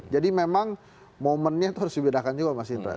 jadi memang momennya harus dibedakan juga mas indra